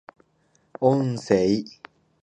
音声